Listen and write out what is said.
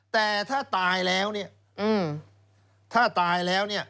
แต่ถ้าตายแล้ว